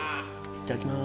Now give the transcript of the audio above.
いただきます。